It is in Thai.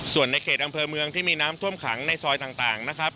ส่วนในเขตอำเภอเมืองที่มีน้ำท่วมขังในซอยต่างนะครับ